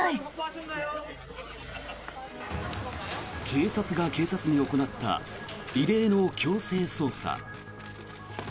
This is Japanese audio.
警察が警察に行った異例の強制捜査。